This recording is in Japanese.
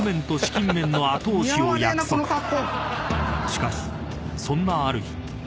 ［しかしそんなある日］